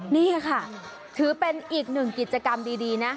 นี่ค่ะถือเป็นอีกหนึ่งกิจกรรมดีนะ